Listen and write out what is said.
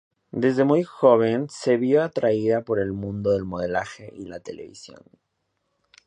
Desde muy joven se vio atraída por el mundo del modelaje y la televisión.